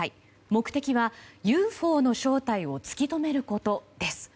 目的はＵＦＯの正体を突き止めることです。